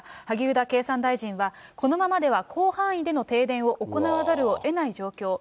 萩生田経産大臣はこのままでは広範囲での停電を行わざるをえない状況。